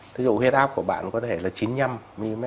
thí dụ huyết áp của bạn có thể là chín mươi năm mm